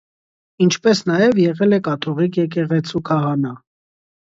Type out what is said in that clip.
Ինչպես նաև եղել է կաթոլիկ եկեղեցու քահանա։